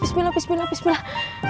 bismillah bismillah bismillah